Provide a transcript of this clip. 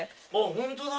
ホントだ！